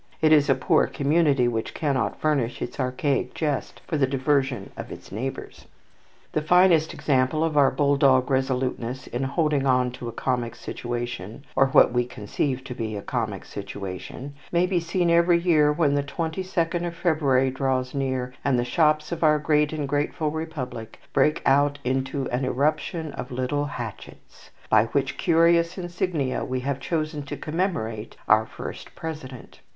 It is a poor community which cannot furnish its archaic jest for the diversion of its neighbours. The finest example of our bulldog resoluteness in holding on to a comic situation, or what we conceive to be a comic situation, may be seen every year when the twenty second of February draws near, and the shops of our great and grateful Republic break out into an irruption of little hatchets, by which curious insignia we have chosen to commemorate our first President.